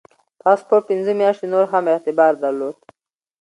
پاسپورت پنځه میاشتې نور هم اعتبار درلود.